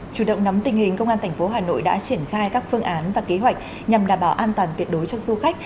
chủ động nắm tình hình công an tp hà nội đã triển khai các phương án và kế hoạch nhằm đảm bảo an toàn tuyệt đối cho du khách